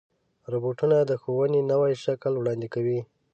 روبوټونه د ښوونې نوی شکل وړاندې کوي.